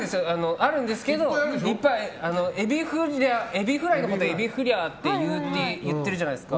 あるんですけどエビフライのことをエビフリャーって言うっていってるじゃないですか。